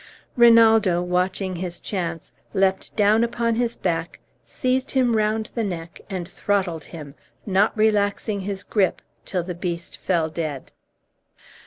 Rinaldo, watching his chance, leapt down upon his back, seized him round the neck, and throttled him, not relaxing his gripe till the beast fell dead.